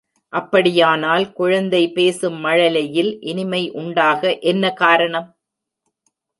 அப்படியானால் குழந்தை பேசும் மழலையில் இனிமை உண்டாக என்ன காரணம்?